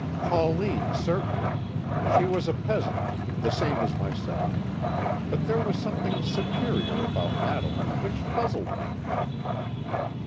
"Pauline certainly; she was a peasant the same as myself. But there was something superior about Madeline which puzzled me."